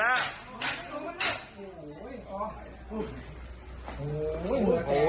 ปลอบภัยแล้วลูกปลอบภัยแล้ว